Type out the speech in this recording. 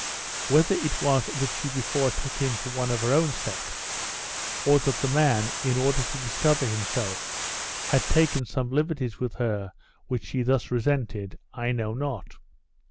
Whether it was that she before took him for one of her own sex, or that the man, in order to discover himself, had taken some liberties with her which she thus resented, I know not.